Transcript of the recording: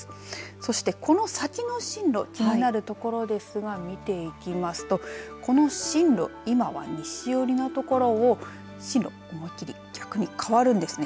そして、この先の進路気になるところですが見ていきますとこの進路、今は西寄りのところを進路、思いっ切り逆に変わるんですね。